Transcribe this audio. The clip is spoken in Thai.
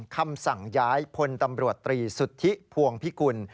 คำสั่งย้ายพลตำรวจตรีสุทธิพวงพิกุล